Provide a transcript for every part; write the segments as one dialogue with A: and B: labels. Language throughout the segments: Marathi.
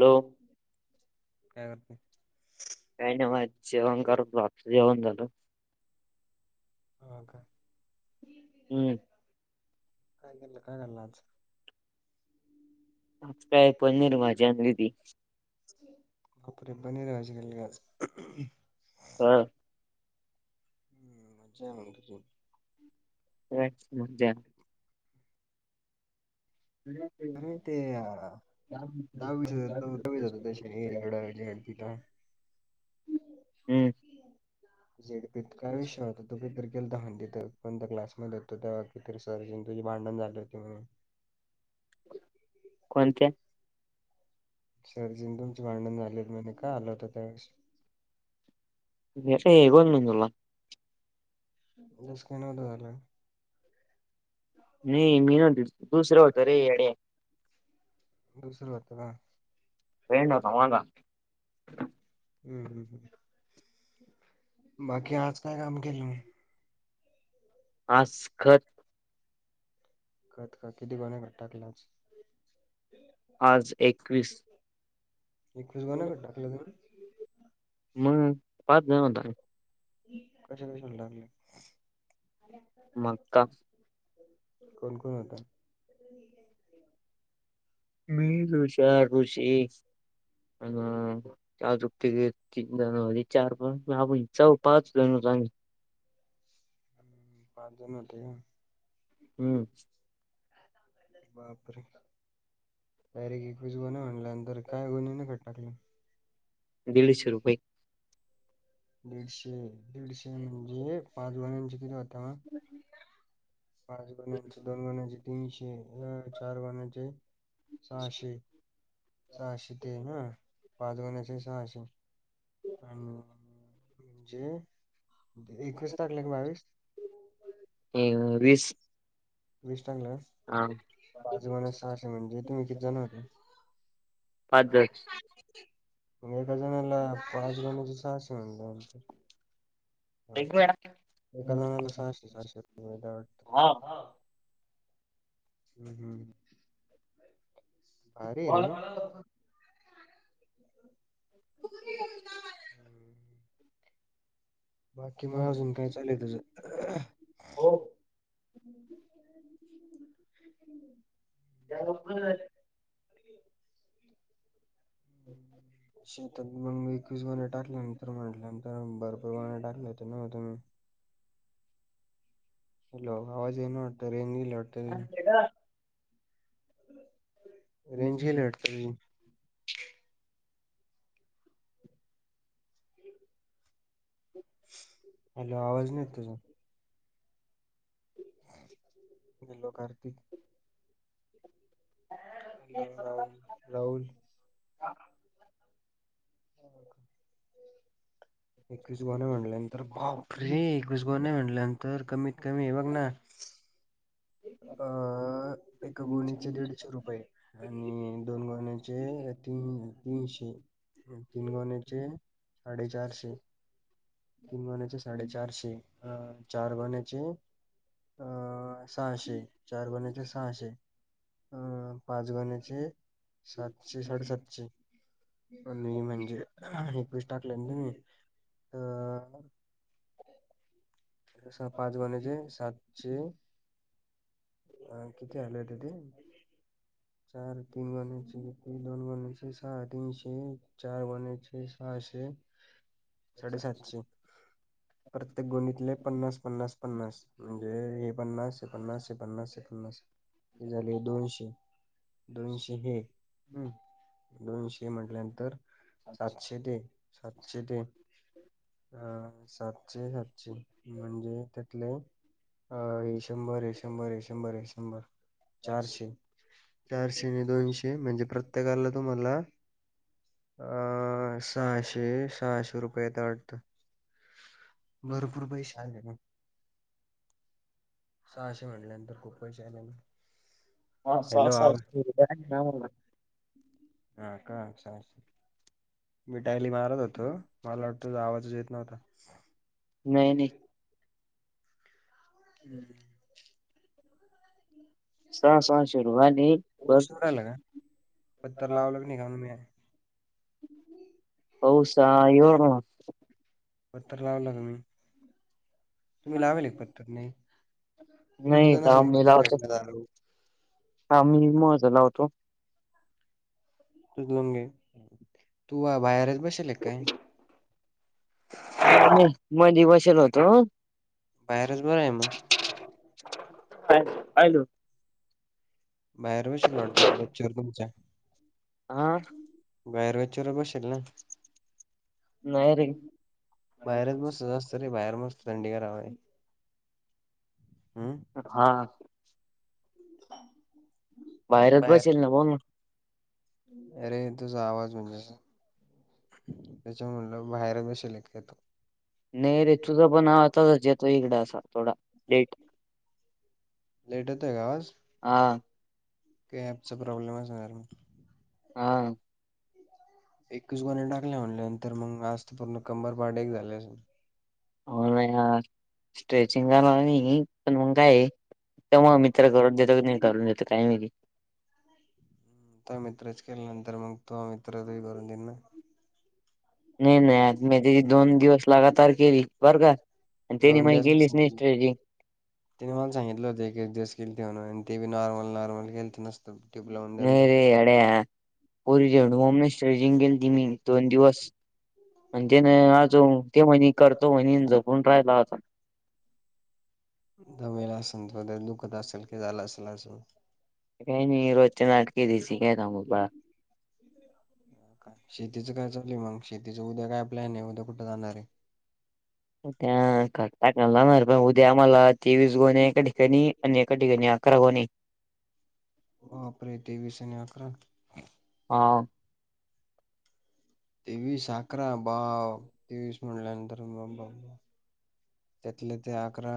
A: हॅलो
B: काय करते
A: काही नाही म जेवण करत होतो आत्ता जेवण झालं
B: हो का
A: हम्म
B: काय केलत काय खाल्ल आज
A: आज काय पनीर भाजी आणली होती
B: बापरे पनीर भाजी केली का आज
A: ह
B: हम् मज्जा आहे म
A: होय मज्जा [inaudible]
B: तुम्ही ते अ दहावीस [unintelligible] हे इकडं [unintelligible]
A: [inaudible]
B: झेडपीत काय विषय होता? तू काहीतरी केलं त म्हण तिथ पण क्लासमध्ये होतो तेव्हा का तरी सराची आणि तुझी भांडण झाली होती म्हण
A: कोणत्या?
B: सरची आणि तुमची भांडणं झालेली म्हणे का आला होतं त्या वेळेस
A: येतोय उगाच म्हणलं तुम्हाला.
B: दस कोणाला आलाय.
A: नाही मी नव्हतो दुसरं होत रे यड्या.
B: दुसर होत हा,
A: फ्रेंड होता माझा
B: [inaudible] हम्म हम्म हम्म, बाकी आज काय काम केलं.
A: आज खत.
B: खत का किती [unintelligible] गोण्या टाकल्या आज
A: आज एक वीस.
B: एकवीस गोण्या का टाकल्या का रे.
A: मग पाच जण होता.
B: कश्या कश्याला टाकल्या.
A: मका.
B: कोण कोण होत. [inaudible]
A: मी, ऋष्या, ऋषी आण अजून [unintelligible] अजून तीघे आहेत की [unintelligible]
B: हम्म, पाच जण होते.
A: हम्म,
B: बापरे डायरेक्ट एकवीस गोण्या म्हणला. नंतर काय गोण्याने खत टाकलं.
A: दिडशे रुपये.
B: दीडशे दीडशे म्हणजे पाच गोण्याचे किती होता. पाच गोण्यांचे दोन गोण्यांचे तीनशे चार गोण्याचे. सहाशे सहाशे तेन ह, पाच गोण्याचे सहाशे हम्म, म्हणजे. एकवीस टाकले की, बावीस.
A: अ वीस
B: वीस टाकलास.
A: हा
B: पाच गोण्या सहाशे म्हणजे तुम्ही किती जण आहात.
A: पाच जण
B: [unintelligible] मग एका जणाला पाच गोण्याचे सहाशे म्हटल्या वर.
A: एक
B: एका जणाला
A: मिनिट
B: सहाशे सहाशे रुपये दिले वाटत हा, हम्म हम्म, भारी आहे रे
A: बोला
B: मग.
A: [inaudible]
B: बाकी मग अजून काय चाललंय तुझं. [inaudible]
A: हो
B: या लवकर.
A: [inaudible]
B: शेतात मग मी एकवीस गोण्या टाकल्या नंतर म्हटल्यानंतर भरपूर गोण्या टाकले होते ना मी. हॅलो, आवाज येईना वाटत रेंज गेली वाटत. रेंज गेली वाटत रेंज. हॅलो, आवाज नाही येत तुझा. हॅलो, कार्तिक भाऊ [unintelligible] राहुल
A: हा,
B: हो का [unintelligible] एकवीस गोन्या म्हणल्यानंतर बापरे रे एकवीस गोन्या म्हणल्यानंतर कमीत कमी बघ ना अ एका गोणीचे दिडशे रुपये. आणि दोन गोण्यांचे तीन तीनशे. तीन गोन्याचे साडेचारशे. तीन गोन्याचे साडेचारशे अ चार गोण्याचे अ सहाशे चार गोन्याचे सहाशे पाच गोण्याचे सातशे साडेसातशे. पण मी म्हणजे एकवीस टाकले न तुम्ही?
A: हम् [inaudible]
B: अश्या पाच गोन्याचे सातशे अ किती आलय तिथे चार तीन [inaudible] दोन [inaudible] सहा तीनशे. चार गोन्याचे सहाशे.
A: [inaudible]
B: साडेसातशे प्रत्येक गोणीतले पन्नास पन्नास पन्नास म्हणजे हे पन्नास हे
A: हाँ
B: पन्नास हे पन्नास हे पन्नास झाले दोनशे. दोनशे हे हम्म दोनशे म्हटल्यानंतर सातशे ते सातशे ते हां सातशे सातशे म्हणजे त्यातले अ हे शंभर हे शंभर हे शंभर हे शंभर चारशे चारशे नि दोनशे म्हणजे प्रत्येकाला तुम्हाला अ सहाशे सहाशे रुपये येता वाटत भरपूर पैसे आले नाय सहाशे म्हटल्यानंतर खूप पैसे आले ना
A: हा [inaudible]
B: ह का [inaudible] मी टायली मारत होतो मला वाटतं आवाजच येत नव्हता
A: नाही नाही
B: हम्म
A: सहा सहाशे [inaudible] बघ
B: कायलं का पत्तर लावल [inaudible] निघालं
A: पैऊसा येऊ [inaudible]
B: पत्थर लावला तुम्ही तुम्ही
A: ना.
B: लावेल एक पत्थर नाही.
A: नाही
B: तुमच्या
A: काम मी लावतो
B: [inaudible]
A: जलावतो
B: तु गोन घे तूवा बाहेरच बसेल काय
A: म [inaudible] मधी बसेले होतो
B: बाहेरच बरं आहे म
A: आ अहिलो
B: बाहेर बशील लढतो [inaudible] तुमच्या
A: हा
B: बाहेर गच्चीवर बसेल ना
A: नाही रे
B: बाहेरच बस चल रे बाहेर मस्त थंडीगार हवा आहे हम्म
A: हा.
B: [unintelligible]
A: बाहेरेच
B: बाहेर
A: बसेल ना [inaudible]
B: अरे, तुझा आवाज येऊन नाय राहिला. त्याच्या म्हणलं बाहेरच [unintelligible] का तू?
A: नाही, रे तुझं पण आवाज येतो इकडे असा थोडा लेट.
B: लेट येतोय का आवाज?
A: हा.
B: ॲपचा प्रॉब्लेम असणार मग तो.
A: हा.
B: एकवीस गोन्या टाकल्या म्हणल्या नंतर, मग आज तर पूर्ण कंबर पाठ एक झाले असेल.
A: [unintelligible] पण मग काय, तेव्हा मित्र करून देतो की नाही. करून देते काय माहित.
B: [unintelligible]
A: नाही नाही, आज मी [unintelligible] दोन दिवस लगातार केली बरं का. आणि त्यांनी माझी केली नाही [unintelligible]
B: त्यानी मला सांगितलं होते. एक एक दिवस केलती म्हणून आणि ते बी नॉर्मल नॉर्मल केलती नुसतं. [unintelligible]
A: नाही रे, ऐड्या पोरी [unintelligible] आणि तेन अजून ते म्हणी करतो म्हणी आणि झोपून राहिला होता.
B: दमेला असलं तो, दुखत असेल की झालं असेल असं.
A: काय नाही, रोजच्या नाटकी आहेत. ह्यची काय सांगू तुला.
B: शेतीचं काय चालूय मग? शेतीच उद्या काय प्लॅन आहे? उद्या कुठं जाणार आहे?
A: उद्या मला तेवीस गोणे एका ठिकाणी आणि एका ठिकाणी अकरा गोणी आहे.
B: बापरे! तेवीस आणि अकरा.
A: हा.
B: तेवीस, अकरा बाव तेवीस म्हटल्यानंतर [unintelligible] त्याले ते, अकरा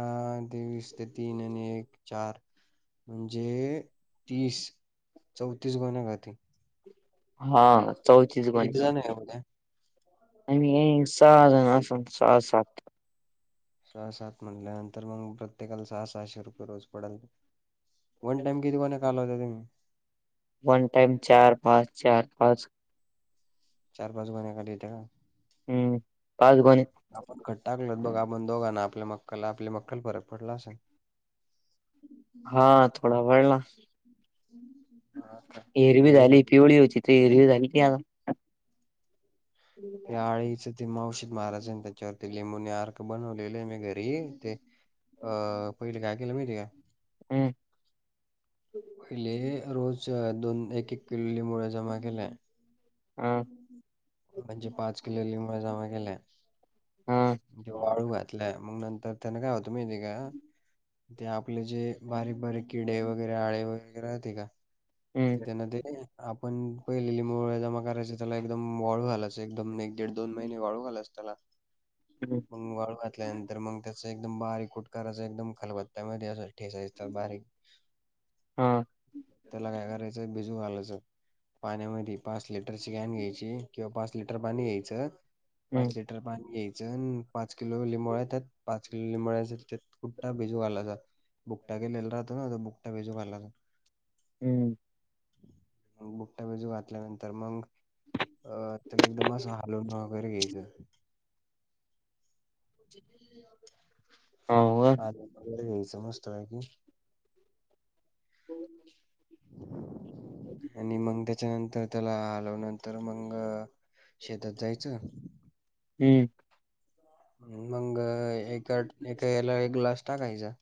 B: तेवीस ते तीन आणि एक चार. म्हणजे तीस चौतीस गोण्या [unintelligible]
A: हा चौतीस
B: किती
A: गोण्या.
B: जण आहे उद्या
A: आणि हे सहा अजून असणं, सहा सात?
B: सहा सात म्हटल्यानंतर, मग प्रत्येकाला सहा सहाशे रुपये रोज पडलं. वन टाइम किती गोण्या कालवता तुम्ही?
A: वन टाइम चार पाच, चार पाच.
B: चार पाच गुण्या कालिवता का.
A: हम्म पाच गोणे
B: आपण खत टाकलवततं बघं. आपण दोघांना आपल्या मक्कल आपली मक्कल परत पडला असलं.
A: हा थोडा वळला
B: [unintelligible]
A: हिरवी
B: गेलो
A: झाली, पिवळी होती ती हिरवी [unintelligible]
B: ते आळीच ते औषध मारायचं ना त्याच्यावर ते लिंबुनी अर्क बनवलं मी घरी ते. अ पहिले काय केलं महिती का.
A: हं.
B: पहिले रोज दोन एक - एक किलो लिंबोळे जमा केल्या.
A: हं.
B: म्हणजे, पाच किलो लिबोळ्या जमा केल्या.
A: हा
B: मग त्या वाळू घातल्या. मग नंतर त्यांना काय होतं माहिती का ते आपले जे बारीक बारीक किडे वगैरे, आळे वगैरे, रहाते का
A: हम्म
B: त्या न ते, आपण पहिले लिंबोळी जमा करायची त्याला एकदम वाळू घालायचं. अस एकदम एक दीड दोन महिने वाळू घालायचं त्याला.
A: ह.
B: मग वाळू घातल्यानंतर मग त्याच एकदम बारीक कुटकरायच एकदम खलबत्त्यामध्ये असं ठेसायच बारीक.
A: हा.
B: त्याला काय करायचंय बिजू घालायचं. पाण्यामध्ये पाच लिटरची कॅन घ्यायची किंवा पाच लिटर पाणी घ्यायचं
A: हम्म
B: पाच लिटर. पाणी घ्यायचं पाच किलो लिंबोळ्या त्यात पाच किलो लिंबोळ्या त्यात. बुकटा भिजू घालायचा बुकटा केलेला राहतो ना बुकटा भिजू घालायचा.
A: हम्म,
B: बुकटा भिजू घातल्यानंतर मग? अ त्याला एकदम असं हलवून वगैरे घ्यायचं. ह.
A: हं वर.
B: समजतं बाकी?
A: हो.
B: आणि मग त्याच्यानंतर त्याला हलव नंतर मग. शेतात जायचं?
A: हम्म,
B: मग एका याला एक ग्लास टाकायचा.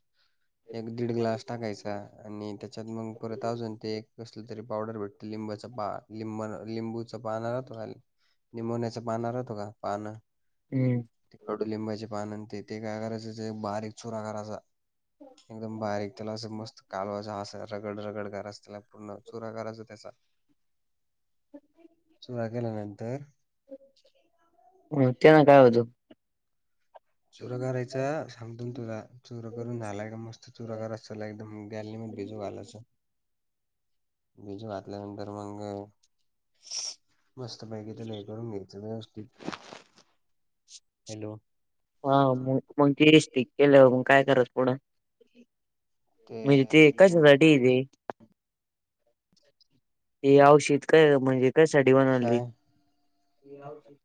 B: एक दीड ग्लास टाकायचा आणि त्याच्यात मग परत अजून ते एक कसलं तरी पावडर भेटती लिंबाचा पाक? लिंब लिंबूच का लिंबवण्याच पान राहतो का पानं?
A: हम्म,
B: ते कडुलिंबाचे पानं ते काय करायचं ते बारीक चुरा करायचा. एकदम बारीक त्याला असं मस्त कालवाचं असं रगड रगड करायच त्याला पूर्ण चुरा करायच त्याचा.
A: ह.
B: चुरा केल्यानंतर? ह.
A: हम त्यान काय होतं?
B: चुरा करायचा सांगतो ना तुला? चुरा करून झालायं का मस्त चुरा करायचं एकदम गॅलरी मध्ये भिजू घालायचं. भिजू घातल्या नंतर मग मस्त पैकी त्याला हे करून घ्यायचं व्यवस्थित. ह. हॅलो!
A: हा मग मग ते स्टक केलं मग काय करायचं पुढ?
B: ह.
A: म्हणजे ते कशासाठी आहे ते? ते औषध म्हणजे कशा साठी बनवलं ते?
B: ते औषध?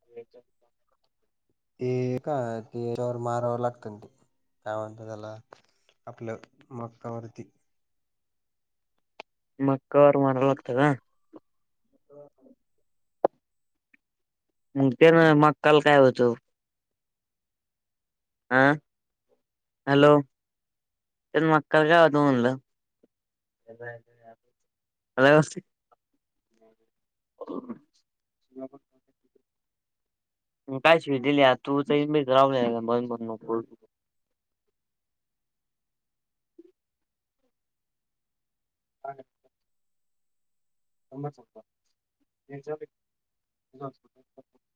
B: ते का पेरावर मारावर लागतं ते काय म्हणतात त्याला. आपलं मक्कावरती.
A: मक्का वर मारावं लागत का?
B: हो.
A: मग त्यानं मक्का ला काय होतं? आ, हॅलो! त्याला मक्का वर काय होतं म्हणलं? हॅलो [unintelligible] काय शिव्या दिलीया, [unintelligible] हा का, [unintelligible]